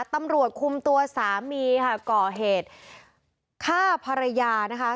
ตำรวจคุมตัวสามีค่ะก่อเหตุฆ่าภรรยานะคะ